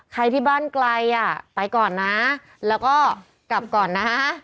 ใครที่บ้านไกลอ่ะไปก่อนนะแล้วก็กลับก่อนนะ